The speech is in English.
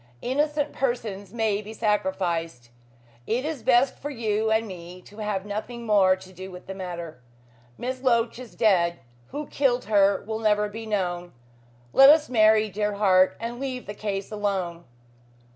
Innocent persons may be sacrificed. It is best for you and me to have nothing more to do with the matter. Miss Loach is dead. Who killed her will never be known. Let us marry, dear heart, and leave the case alone."